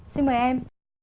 xin mời em